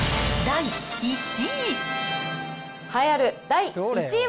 第１位。